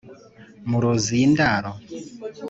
muruzi iyi ndaro